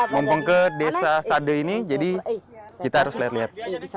mumpung ke desa sade ini jadi kita harus lihat lihat